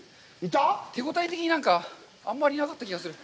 手応え的に、なんか、あんまりいなかった気がする。